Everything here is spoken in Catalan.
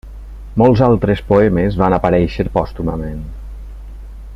Molts altres poemes van aparèixer pòstumament.